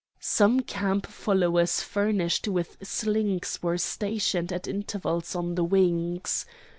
Some camp followers furnished with slings were stationed at intervals on the wings.